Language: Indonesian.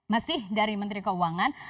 masih dari menteri keuangan